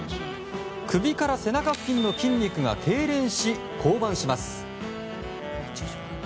首から背中付近の筋肉がけいれんし、降板します。